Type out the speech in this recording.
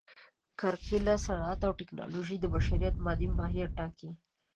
کرکېله، صنعت او ټکنالوژي د بشریت مادي ماهیت ټاکي.